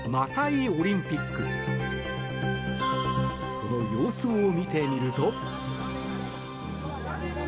その様子を見てみると。